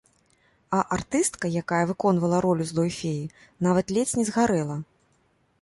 А артыстка, якая выконвала ролю злой феі, нават ледзь не згарэла.